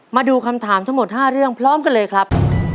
มาดูคำถามทั้งหมด๕เรื่องพร้อมกันเลยครับ